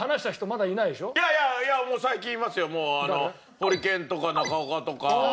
ホリケンとか中岡とか。